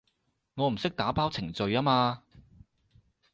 我唔識打包程序吖嘛